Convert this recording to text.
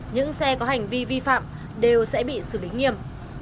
những xe có hành vi vi phạm đều sẽ bị xử lý nghiêm